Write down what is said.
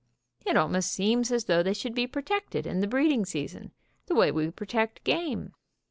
It almost seems as though they should be protected in the breeding season, the way we protect game.